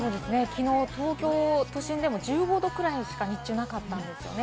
きのう、東京都心でも１５度ぐらいしか日中なかったんですよね。